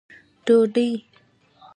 ډوډۍ